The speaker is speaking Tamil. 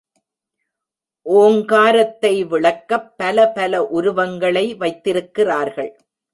ஓங்காரத்தை விளக்கப் பல பல உருவங்களை வைத்திருக்கிறார்கள்.